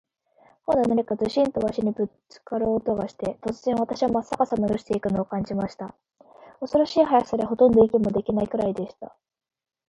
今度は何かズシンと鷲にぶっつかる音がして、突然、私はまっ逆さまに落ちて行くのを感じました。恐ろしい速さで、ほとんど息もできないくらいでした。